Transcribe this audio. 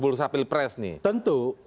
bulu sapil pres nih tentu